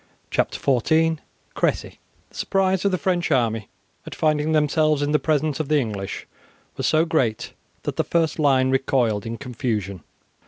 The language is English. CHAPTER XIV: CRESSY The surprise of the French army at finding themselves in the presence of the English was so great that the first line recoiled in confusion.